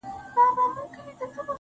جانه ياره بس کړه ورله ورسه_